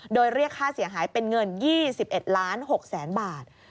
โดยเรียกค่าเสียหายเป็นเงิน๒๑ล้าน๖แสนบาท